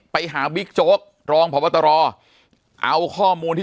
ปากกับภาคภูมิ